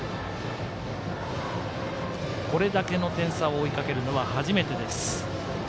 これだけの点差を追いかけるのは初めてです。